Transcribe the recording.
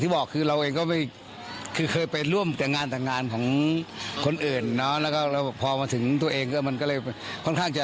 แต่งงานของคนอื่นเนาะแล้วก็พอมาถึงตัวเองก็มันก็เลยค่อนข้างจะ